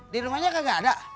di rumahnya kek gak ada